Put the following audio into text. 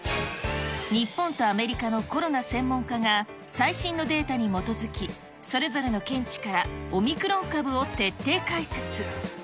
日本とアメリカのコロナ専門家が、最新のデータに基づき、それぞれの見地からオミクロン株を徹底解説。